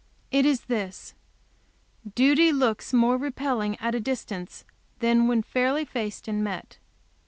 It is this: duty looks more repelling at a distance than when fairly faced and met.